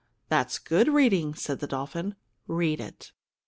"That's good reading!" said the dolphin. "Read it!"